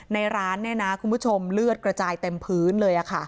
ในร้านคุณผู้ชมเลือดกระจายเต็มพื้นเลย